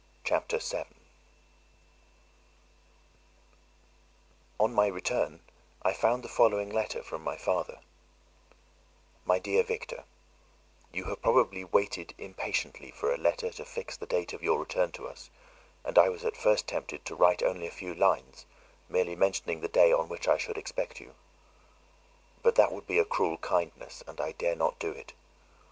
Chapter 7 On my return, I found the following letter from my father:— "My dear Victor, "You have probably waited impatiently for a letter to fix the date of your return to us; and I was at first tempted to write only a few lines, merely mentioning the day on which I should expect you. But that would be a cruel kindness, and I dare not do it.